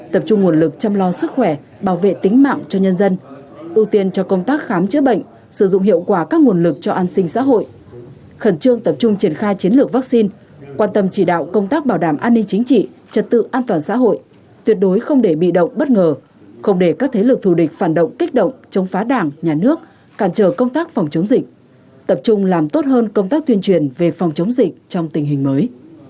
tập trung nguồn lực chăm lo sức khỏe bảo vệ tính mạng cho nhân dân ưu tiên cho công tác khám chữa bệnh sử dụng hiệu quả các nguồn lực cho an sinh xã hội khẩn trương tập trung triển khai chiến lược vaccine quan tâm chỉ đạo công tác bảo đảm an ninh chính trị trật tự an toàn xã hội tuyệt đối không để bị động bất ngờ không để các thế lực thù địch phản động kích động chống phá đảng nhà nước cản trở công tác phòng chống dịch tập trung làm tốt hơn công tác tuyên truyền về phòng chống dịch trong tình hình mới